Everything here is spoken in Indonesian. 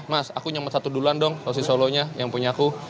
mas aku nyemot satu duluan dong sosisolonya yang punya aku